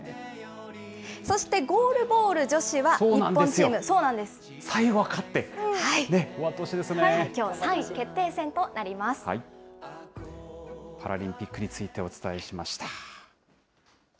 そしてゴールボール女子は日最後は勝って、終わってほしきょうは３位決定戦となりまパラリンピックについてお伝えしました。